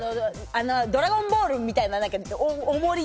ドラゴンボールみたいなを。